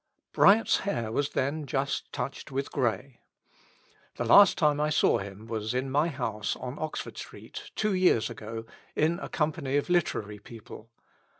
Bryant's hair was then just touched with grey. The last time I saw him was in my house on Oxford Street, two years ago, in a company of literary people.